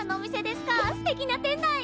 すてきな店内！